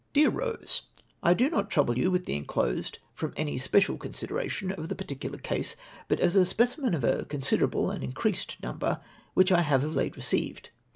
Dear Rose, — I do not trouble you with tlie inclosed from any special consideration of the particular case, but as a s^Decimen of a considerable and increased number which I liave of late received.